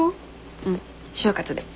うん就活で。